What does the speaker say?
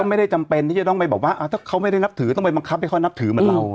ไม่ได้จำเป็นที่จะต้องไปแบบว่าถ้าเขาไม่ได้นับถือต้องไปบังคับให้เขานับถือเหมือนเรา